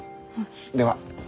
では。